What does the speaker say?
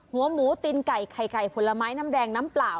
หัวหมูตีนไก่ไข่ไก่ผลไม้น้ำแดงน้ำเปล่า